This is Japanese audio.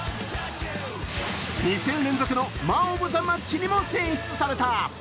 ２戦連続のマン・オブ・ザ・マッチにも選出された。